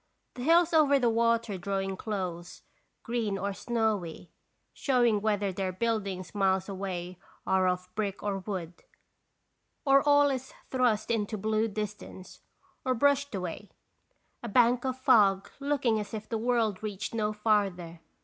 The hills over the water drawing close, green or snowy, showing whether their buildings miles away are of brick or wood, or all is thrust into blue dis tance, or brushed away, a bank of fog looking as if the world reached no farther.